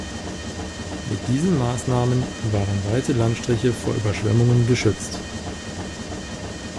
Mit diesen Massnahmen waren weite Landstriche vor Überschwemmungen geschützt.